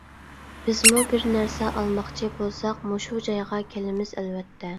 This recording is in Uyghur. بىزمۇ بىر نەرسە ئالماقچى بولساق مۇشۇ جايغا كېلىمىز ئەلۋەتتە.